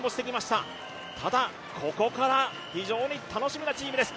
ただ、ここから非常に楽しみなチームです。